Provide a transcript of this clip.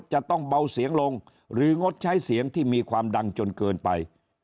จะต้องเบาเสียงลงหรืองดใช้เสียงที่มีความดังจนเกินไป